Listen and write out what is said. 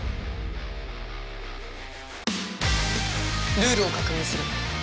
ルールを確認する。